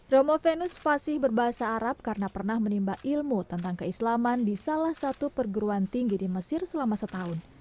romo venus fasih berbahasa arab karena pernah menimba ilmu tentang keislaman di salah satu perguruan tinggi di mesir selama setahun